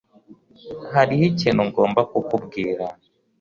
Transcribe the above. Hariho ikintu ngomba kukubwira.